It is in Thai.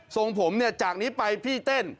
ทรงผมจากนี้ไปพี่เต้น